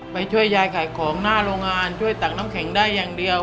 ช่วยยายขายของหน้าโรงงานช่วยตักน้ำแข็งได้อย่างเดียว